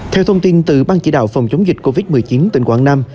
theo thông tin từ ban chỉ đạo phòng chống dịch covid một mươi chín tỉnh quảng nam